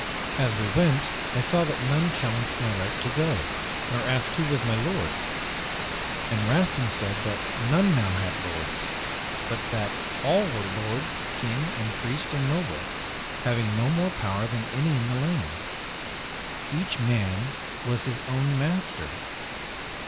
As we went I saw that none challenged my right to go, nor asked who was my lord. And Rastin said that none now had lords, but that all were lord, king and priest and noble, having no more power than any in the land. Each man was his own master!